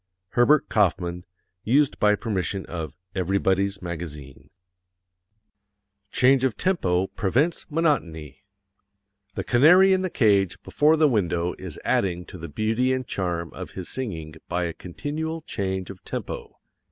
_ HERBERT KAUFMAN. Used by permission of Everybody's Magazine. Change of Tempo Prevents Monotony The canary in the cage before the window is adding to the beauty and charm of his singing by a continual change of tempo.